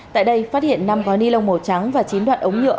tại đây phát hiện năm gói ni lông màu trắng và chín đoạn ống nhựa